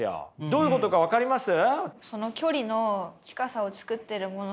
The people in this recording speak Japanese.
どういうことか分かります？